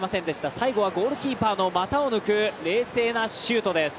最後はゴールキーパーの股を抜く冷静なシュートです。